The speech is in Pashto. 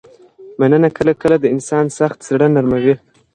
مننه کله کله د انسان سخت زړه نرموي.